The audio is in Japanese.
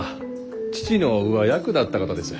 父の上役だった方です。